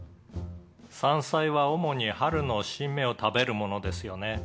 山菜は主に春の新芽を食べるものですよね」